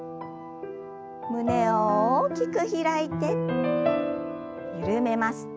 胸を大きく開いて緩めます。